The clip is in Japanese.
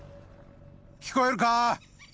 聞こえるか？